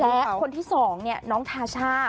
และคนที่๒เนี่ยน้องทาช่า